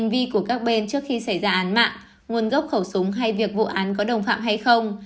vì các bên trước khi xảy ra án mạng nguồn gốc khẩu súng hay việc vụ án có đồng phạm hay không